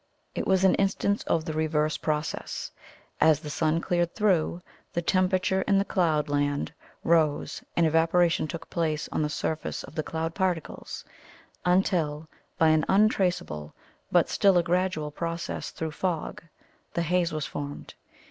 It was an instance of the reverse process. As the sun cleared through, the temperature in the cloud land rose and evaporation took place on the surface of the cloud particles, until by an untraceable, but still a gradual process through fog, the haze was formed.